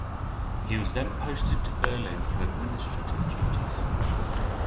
He was then posted to Berlin for administrative duties.